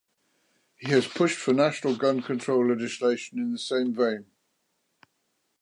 He has pushed for national gun control legislation in the same vein.